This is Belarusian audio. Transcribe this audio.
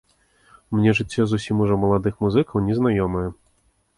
Мне жыццё зусім ужо маладых музыкаў не знаёмае.